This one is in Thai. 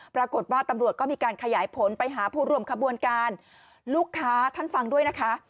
ปรากฏว่าตำรวจก็มีการขยายผลไปหาผู้ร่วมขบวนการลูกค้าท่านฟังด้วยนะคะ